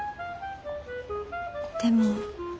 でも。